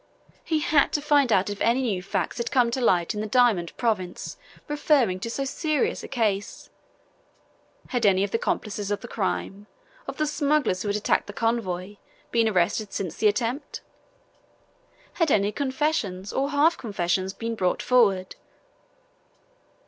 He had to find out if any new facts had come to light in the diamond province referring to so serious a case. Had any of the accomplices of the crime, of the smugglers who had attacked the convoy, been arrested since the attempt? Had any confessions or half confessions been brought forward?